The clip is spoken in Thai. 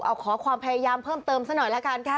เอาขอความพยายามเพิ่มเติมซะหน่อยละกันค่ะ